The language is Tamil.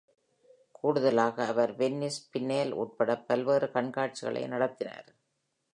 கூடுதலாக, அவர் வெனிஸ் பின்னேல் உட்பட பல்வேறு கண்காட்சிகளை நடத்தினார்.